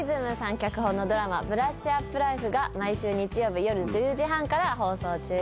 脚本のドラマ『ブラッシュアップライフ』が毎週日曜日夜１０時半から放送中です。